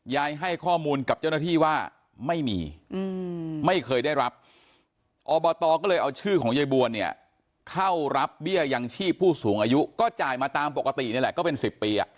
ให้ข้อมูลกับเจ้าหน้าที่ว่าไม่มีไม่เคยได้รับอบตก็เลยเอาชื่อของยายบวนเนี่ยเข้ารับเบี้ยยังชีพผู้สูงอายุก็จ่ายมาตามปกตินี่แหละก็เป็น๑๐ปี